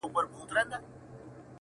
موږه غله نه يوو چي د غلو طرفدارې به کوو،